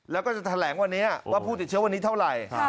แล้วก็จะแถลงวันนี้ว่าผู้ติดเชื้อวันนี้เท่าไหร่